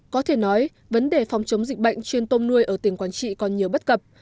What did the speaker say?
có thể nói vấn đề phòng chống dịch bệnh trên tôm nuôi ở tỉnh quảng trị còn nhiều bất cập